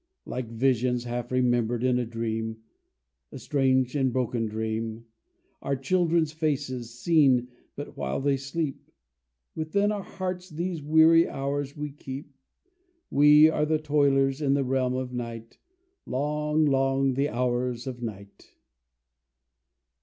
Like visions half remembered in a dream (A strange and broken dream) Our children's faces, seen but while they sleep, Within our hearts these weary hours we keep. We are the toilers in the realm of night (Long, long the hours of night).